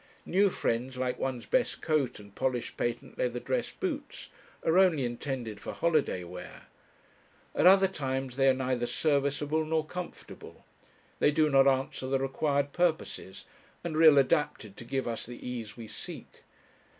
New friends, like one's best coat and polished patent leather dress boots, are only intended for holiday wear. At other times they are neither serviceable nor comfortable; they do not answer the required purposes, and are ill adapted to give us the ease we seek.